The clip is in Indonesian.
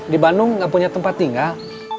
di bandung gak punya tempat tinggal